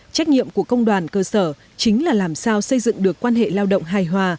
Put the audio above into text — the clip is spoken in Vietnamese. trách nhiệm của công đoàn cơ sở chính là làm sao xây dựng được quan hệ lao động hài hòa